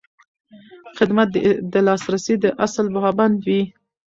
خدمت د لاسرسي د اصل پابند وي.